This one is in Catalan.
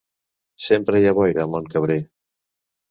Sempre hi ha boira a Montcabrer.